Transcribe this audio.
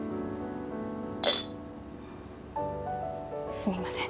すみません。